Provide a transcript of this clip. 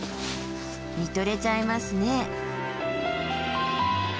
見とれちゃいますね。